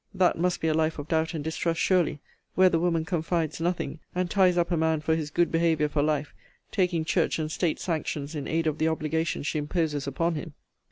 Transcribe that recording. That must be a life of doubt and distrust, surely, where the woman confides nothing, and ties up a man for his good behaviour for life, taking church and state sanctions in aid of the obligation she imposes upon him.